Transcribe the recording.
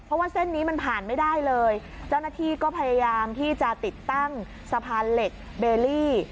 เพราะว่าเส้นนี้มันผ่านไม่ได้เลยเจ้าหน้าที่ก็พยายามที่จะติดตั้งสะพานเหล็กเบลลี่